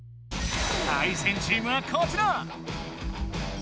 対戦チームはこちら！